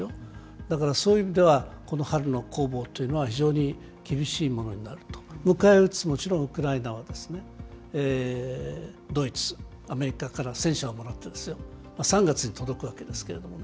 だから、そういう意味では、この春の攻防っていうのは、非常に厳しいものになると、迎え撃つ、もちろんウクライナも、ドイツ、アメリカから戦車をもらってですよ、３月に届くわけですけれどもね。